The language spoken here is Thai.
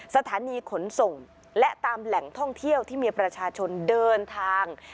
สถานีขนส่งและตามแหล่งท่องเที่ยวที่มีประชาชนเดินทาง